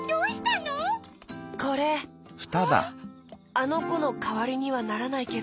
あのこのかわりにはならないけど。